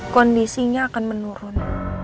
kondisinya akan menurun